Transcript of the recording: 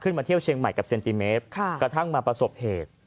มาเที่ยวเชียงใหม่กับเซนติเมตรกระทั่งมาประสบเหตุ